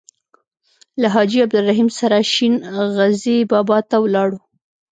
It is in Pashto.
له حاجي عبدالرحیم سره شین غزي بابا ته ولاړو.